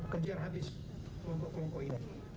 kejar habis kelompok kelompok ini